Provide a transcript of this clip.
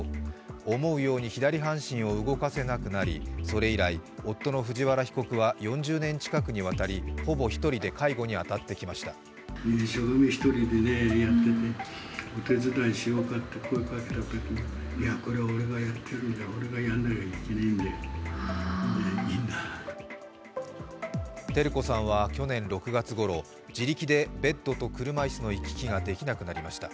思うように左半身を動かせなくなり、それ以来、夫の藤原被告は４０年近くにわたりほぼ１人で介護に当たってきました照子さんは去年６月ごろ自力でベッドと車椅子の行き来ができなくなりました。